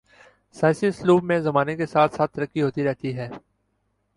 سائنسی اسلوب میں زمانے کے ساتھ ساتھ ترقی ہوتی رہی ہے